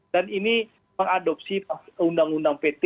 dan ini mengadopsi undang undang pt